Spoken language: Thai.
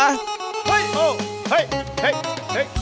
เฮ้ยโอ้เฮ้ยเฮ้ยเฮ้ย